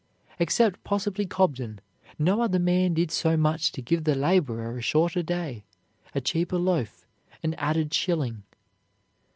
Except possibly Cobden, no other man did so much to give the laborer a shorter day, a cheaper loaf, an added shilling.